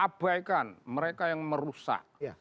abaikan mereka yang merusak